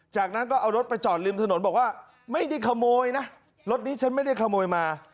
จากนั้นก็เอารถไปจอดริมถนนบอกว่าไม่ได้ขโมยนะรถนี้ฉันไม่ได้ขโมยมา